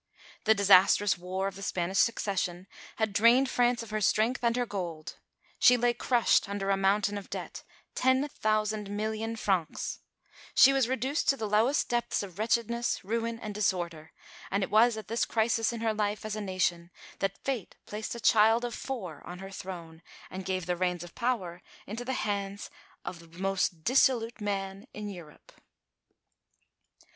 The disastrous war of the Spanish Succession had drained France of her strength and her gold. She lay crushed under a mountain of debt ten thousand million francs; she was reduced to the lowest depths of wretchedness, ruin, and disorder, and it was at this crisis in her life as a nation that fate placed a child of four on her throne, and gave the reins of power into the hands of the most dissolute man in Europe.